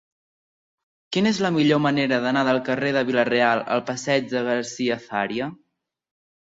Quina és la millor manera d'anar del carrer de Vila-real al passeig de Garcia Fària?